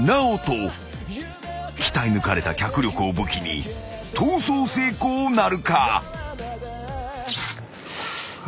［鍛えぬかれた脚力を武器に逃走成功なるか？］